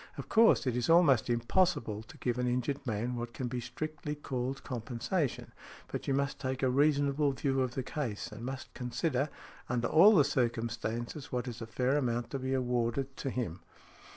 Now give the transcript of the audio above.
Of course, it is almost impossible to give an injured man what can be strictly called compensation, but you must take a reasonable view of the case, and must consider, under all the circumstances, what is a fair amount to be awarded to |80| him" .